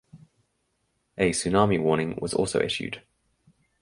A tsunami warning was also issued.